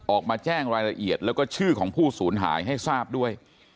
ออกมาแจ้งรายละเอียดแล้วก็ชื่อของผู้สูญหายให้ทราบด้วย